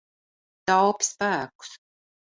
Taupi spēkus.